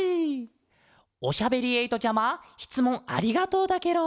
おしゃべりえいとちゃましつもんありがとうだケロ。